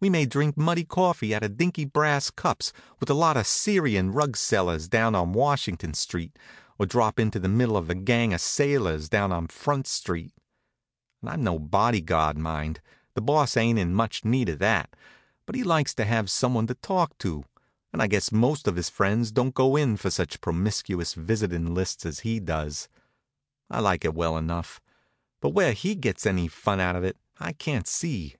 We may drink muddy coffee out of dinky brass cups with a lot of Syrian rug sellers down on Washington Street, or drop into the middle of a gang of sailors down on Front Street. And I'm no bodyguard, mind. The Boss ain't in much need of that. But he likes to have some one to talk to, and I guess most of his friends don't go in for such promiscuous visitin' lists as he does. I like it well enough, but where he gets any fun out of it I can't see.